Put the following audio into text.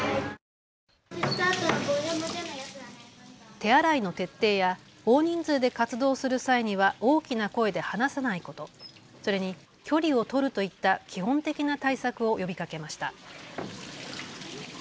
手洗いの徹底や大人数で活動する際には大きな声で話さないこと、それに距離を取るといった基本的な対策を呼びかけました。